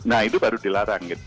nah itu baru dilarang